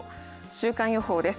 週間予報です。